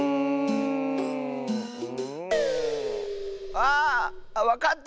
あわかった！